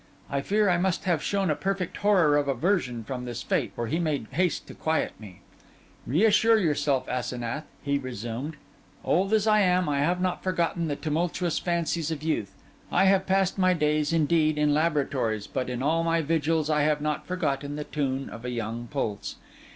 I fear I must have shown a perfect horror of aversion from this fate, for he made haste to quiet me. 'Reassure yourself, Asenath,' he resumed. 'Old as I am, I have not forgotten the tumultuous fancies of youth. I have passed my days, indeed, in laboratories; but in all my vigils I have not forgotten the tune of a young pulse.